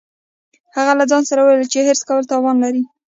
هغې له ځان سره وویل چې حرص کول تاوان لري